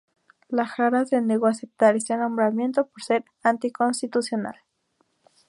La Jara se negó a aceptar este nombramiento por ser anticonstitucional.